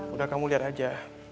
udah kamu lihat aja